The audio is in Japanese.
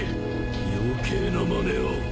余計なまねを。